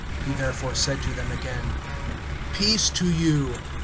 (21)Jesus therefore said to them again: Peace be to you.